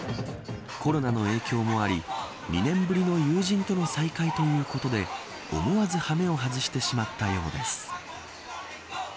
コロナの影響もあり、２年ぶりの友人との再会ということで思わず羽目を外してしまったようです。